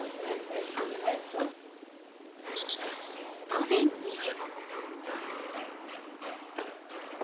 午前２時。